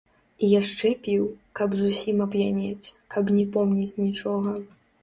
І яшчэ піў, каб зусім ап'янець, каб не помніць нічога.